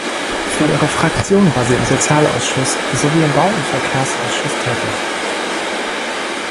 Für ihre Fraktion war sie im Sozialausschuss sowie im Bau- und Verkehrsausschuss tätig.